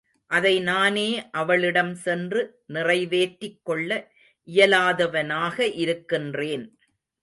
அதை நானே அவளிடம் சென்று நிறைவேற்றிக்கொள்ள இயலாதவனாக இருக்கின்றேன்.